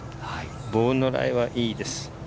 ボールのライはいいです。